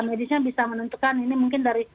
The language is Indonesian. medisnya bisa menentukan ini mungkin dari